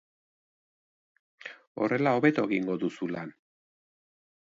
Horrela hobeto egingo duzu lan.